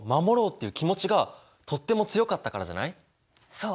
そう！